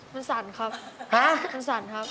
มันสั่นครับ